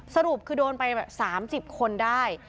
สรุปคือโดนไป๓๐คนได้